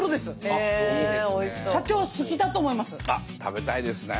あっ食べたいですね。